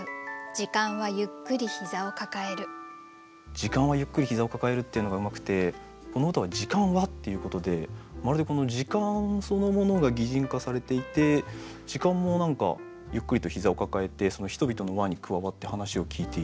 「時間はゆっくりひざをかかえる」っていうのがうまくてこの歌は「時間は」って言うことでまるでこの時間そのものが擬人化されていて時間も何かゆっくりとひざをかかえて人々の輪に加わって話を聞いている。